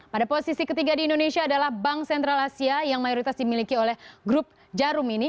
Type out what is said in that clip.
pada posisi ketiga di indonesia adalah bank sentral asia yang mayoritas dimiliki oleh grup jarum ini